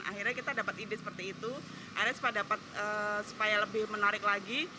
akhirnya kita dapat ide seperti itu akhirnya sempat dapat supaya lebih menarik lagi